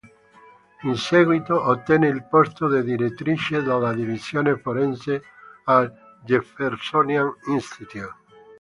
In seguito ottenne il posto di direttrice della divisione forense al Jeffersonian Institute.